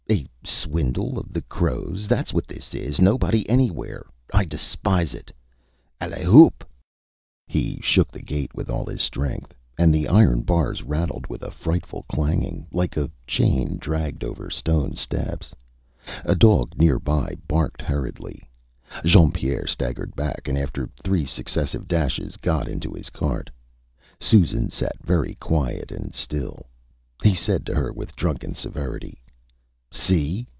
A swindle of the crows. ThatÂs what this is. Nobody anywhere. I despise it. _Allez! Houp!_Â He shook the gate with all his strength, and the iron bars rattled with a frightful clanging, like a chain dragged over stone steps. A dog near by barked hurriedly. Jean Pierre staggered back, and after three successive dashes got into his cart. Susan sat very quiet and still. He said to her with drunken severity ÂSee?